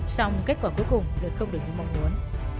xong kết quả cuối cùng lại không được như mong muốn